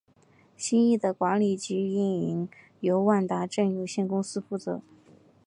新翼的管理及营运是由万达镇有限公司负责。